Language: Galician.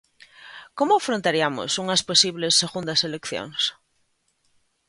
Como afrontariamos unhas posibles segundas eleccións?